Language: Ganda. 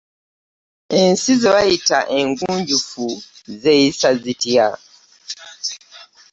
Ensi ze bayita eŋŋunjufu zeeyisa zitya.